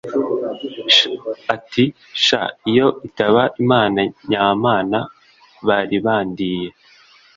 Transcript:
ati “Sha iyo itaba Imana nya Mana bari bandiye